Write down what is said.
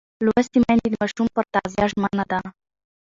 لوستې میندې د ماشوم پر تغذیه ژمنه ده.